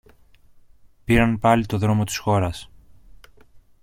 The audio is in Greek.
Πήραν πάλι το δρόμο της χώρας.